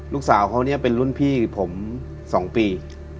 ลูกสาวเขาเนี่ยเป็นรุ่นพี่ผม๒ปี